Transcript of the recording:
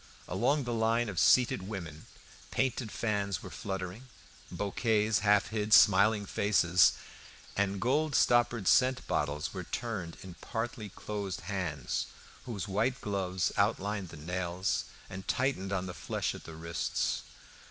Along the line of seated women painted fans were fluttering, bouquets half hid smiling faces, and gold stoppered scent bottles were turned in partly closed hands, whose white gloves outlined the nails and tightened on the flesh at the wrists.